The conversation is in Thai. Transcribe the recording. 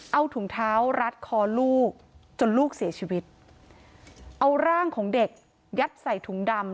เอาถุงเท้ารัดคอลูกจนลูกเสียชีวิตเอาร่างของเด็กยัดใส่ถุงดำ